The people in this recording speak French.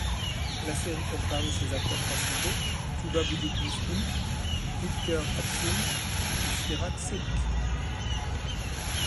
La série compte parmi ses acteurs principaux Tuba Büyüküstün, İlker Aksum et Fırat Çelik.